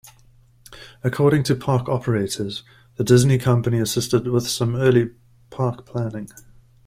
According to park operators, the Disney company assisted with some early park planning.